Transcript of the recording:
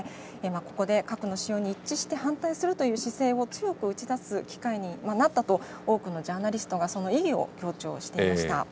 ここで核の使用に一致して反対するという姿勢を強く打ち出す機会になったと、多くのジャーナリストがその意義を強調していました。